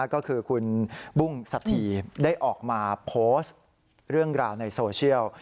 ก็คือคุณบุ้งสถีได้ออกมาโพสต์เรื่องราวในโซเชียล